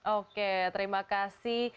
oke terima kasih